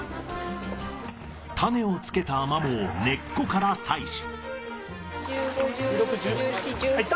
種を付けたアマモを根っこから採取。